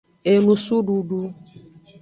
Enusududu.